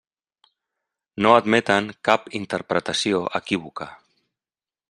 No admeten cap interpretació equívoca.